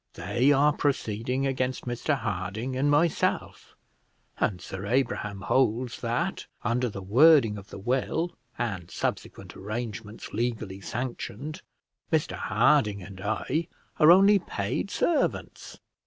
They are proceeding against Mr Harding and myself, and Sir Abraham holds that, under the wording of the will, and subsequent arrangements legally sanctioned, Mr Harding and I are only paid servants.